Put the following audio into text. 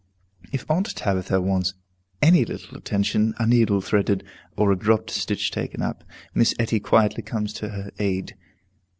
If Aunt Tabitha wants any little attention, a needle threaded, or a dropped stitch taken up, Miss Etty quietly comes to her aid.